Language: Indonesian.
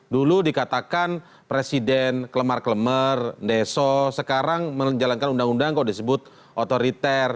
dulu dikatakan presiden kelemar kelemar deso sekarang menjalankan undang undang kok disebut otoriter